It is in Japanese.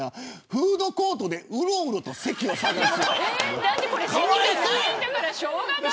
フードコートでうろうろと席を探す。